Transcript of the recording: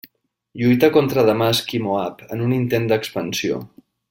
Lluita contra Damasc i Moab en un intent d'expansió.